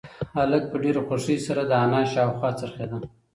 هلک په ډېرې خوښۍ سره د انا شاوخوا څرخېده.